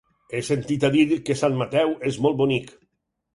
He sentit a dir que Sant Mateu és molt bonic.